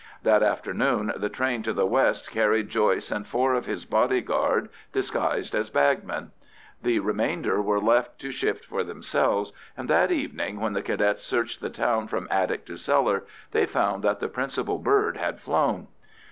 That afternoon the train to the west carried Joyce and four of his bodyguard disguised as bagmen; the remainder were left to shift for themselves, and that evening, when the Cadets searched the town from attic to cellar, they found that the principal bird had flown.